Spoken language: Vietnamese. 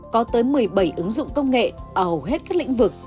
có tới một mươi bảy ứng dụng công nghệ ở hầu hết các lĩnh vực